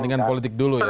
kepentingan politik dulu ya